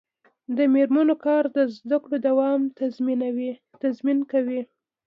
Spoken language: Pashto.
د میرمنو کار د زدکړو دوام تضمین کوي.